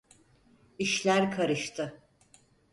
İşler karıştı.